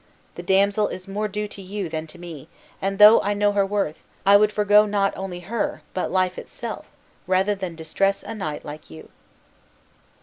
The damsel is more due to you than to me, and though I know her worth, I would forego not only her, but life itself, rather than distress a knight like you."